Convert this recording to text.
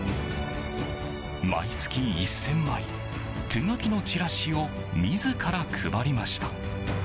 毎月１０００枚手書きのチラシを自ら配りました。